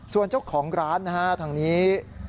ส่วนเจ้าของร้านนะฮะทางนี้